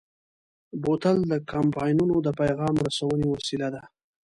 بوتل د کمپاینونو د پیغام رسونې وسیله ده.